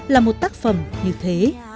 là một tác phẩm như thế